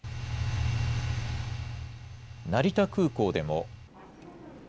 成田空港でも。